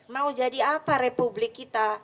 mau jadi apa republik kita